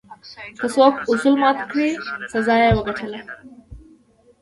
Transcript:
که څوک اصول مات کړل، سزا یې وګټله.